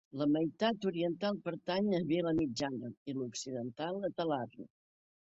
La meitat oriental pertany a Vilamitjana, i l'occidental a Talarn.